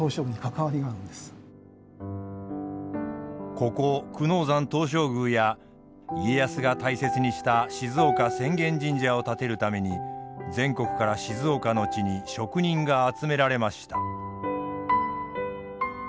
ここ久能山東照宮や家康が大切にした静岡浅間神社を建てるために全国から静岡の地に職人が集められました。